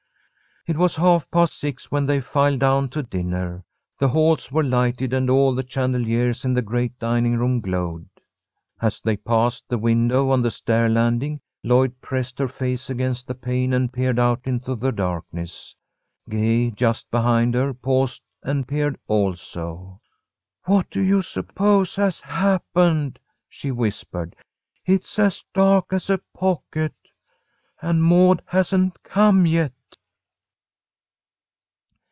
It was half past six when they filed down to dinner. The halls were lighted, and all the chandeliers in the great dining room glowed. As they passed the window on the stair landing, Lloyd pressed her face against the pane and peered out into the darkness. Gay, just behind her, paused and peered also. "What do you suppose has happened?" she whispered. "It's as dark as a pocket, and Maud hasn't come yet."